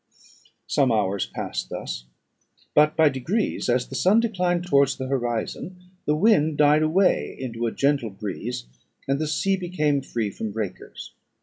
Some hours passed thus; but by degrees, as the sun declined towards the horizon, the wind died away into a gentle breeze, and the sea became free from breakers.